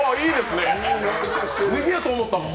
ねぎやと思ったもん。